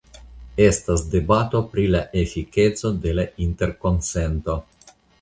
Estas debato pri la efikeco de la interkonsento.